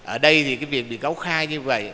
ở đây thì cái việc bị cáo khai như vậy